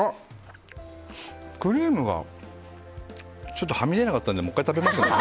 ちょっとはみ出なかったんでもう１回食べますね。